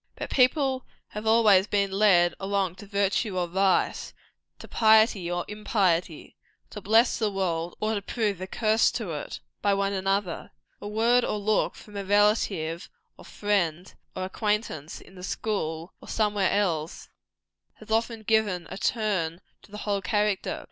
But people have always been led along to virtue or vice, to piety or impiety, to bless the world or to prove a curse to it, by one another. A word or a look from a relative, or friend, or acquaintance, in the school or somewhere else, has often given a turn to the whole character.